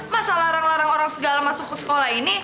masa larang larang orang segala masuk ke sekolah ini